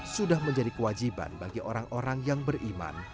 sudah menjadi kewajiban bagi orang orang yang beriman